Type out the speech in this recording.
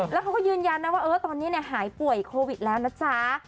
แล้วเขาก็ยืนยันนะว่าตอนนี้หายป่วยโควิดแล้วนะจ๊ะ